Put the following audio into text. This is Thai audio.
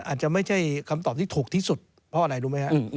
อาจจะไม่ใช่คำตอบที่ถูกที่สุดเพราะอะไรรู้ไหมฮะ